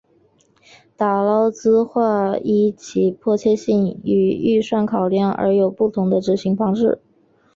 打捞计画依其迫切性与预算考量而有不同的执行方式。